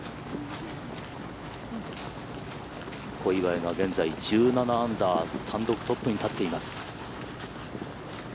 小祝が現在１７アンダー単独トップに立っています。